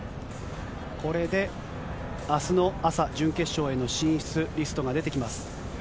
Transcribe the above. これであすの朝、準決勝への進出リストが出てきます。